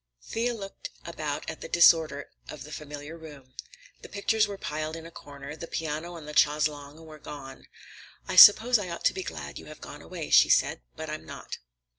Thea looked about at the disorder of the familiar room. The pictures were piled in a corner, the piano and the chaise longue were gone. "I suppose I ought to be glad you have gone away," she said, "but I'm not.